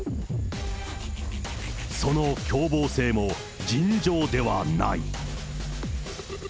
その凶暴性も尋常ではない。